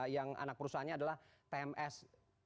yang anak perusahaannya adalah tms